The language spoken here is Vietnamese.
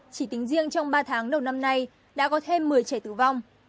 chỉ tính riêng trong ba tháng đầu năm nay đã có thêm một mươi trẻ tử vong